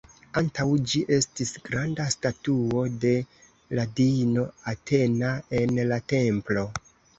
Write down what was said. Antaŭ ĝi estis granda statuo de la diino Atena en la templo.